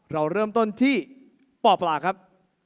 เราเริ่มต้นที่ป่อปลาครับ